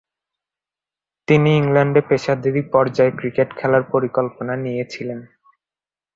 তিনি ইংল্যান্ডে পেশাদারী পর্যায়ে ক্রিকেট খেলার পরিকল্পনা নিয়েছিলেন।